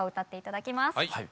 はい。